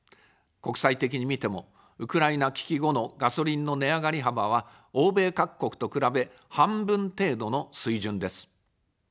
国際的に見ても、ウクライナ危機後のガソリンの値上がり幅は、欧米各国と比べ、半分程度の水準です。